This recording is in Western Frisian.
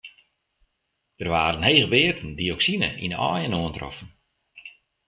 Der waarden hege wearden dioksine yn de aaien oantroffen.